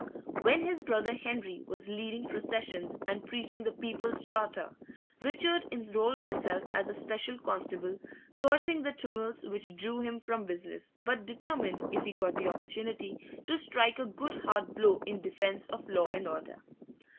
When his brother Henry was leading processions and preaching the People's Charter, Richard enrolled himself as a special constable, cursing the tumults which drew him from business, but determined, if he got the opportunity, to strike a good hard blow in defence of law and order.